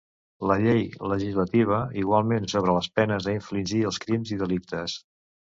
La llei legislava igualment sobre les penes a infligir als crims i delictes.